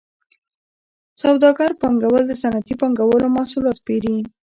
سوداګر پانګوال د صنعتي پانګوالو محصولات پېري